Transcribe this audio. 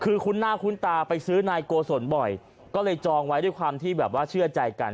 คือคุ้นหน้าคุ้นตาไปซื้อนายโกศลบ่อยก็เลยจองไว้ด้วยความที่แบบว่าเชื่อใจกัน